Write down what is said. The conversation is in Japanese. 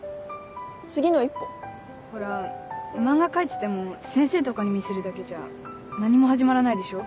次の一歩？ほら漫画描いてても先生とかに見せるだけじゃ何も始まらないでしょ？